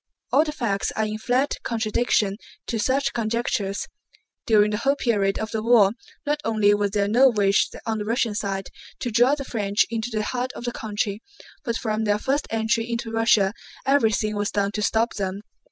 All the facts are in flat contradiction to such conjectures. During the whole period of the war not only was there no wish on the Russian side to draw the French into the heart of the country, but from their first entry into Russia everything was done to stop them.